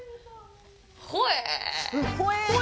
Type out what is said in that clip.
ほえ！